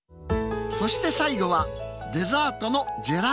そして最後はデザートのジェラート。